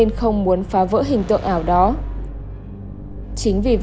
anh không muốn xuất hiện ở những nơi công cộng